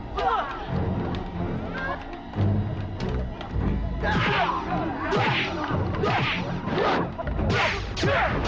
kau lagi jadi seseorang yang jahat